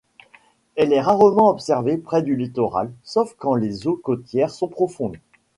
Elle est rarement observée près du littoral sauf quand les eaux côtières sont profondes.